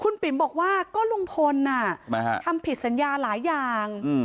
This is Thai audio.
คุณปิ๋มบอกว่าก็ลุงพลทำผิดสัญญาหลายอย่าง